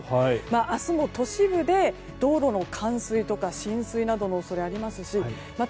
明日も都市部で道路の冠水とか浸水などの恐れがありますしまた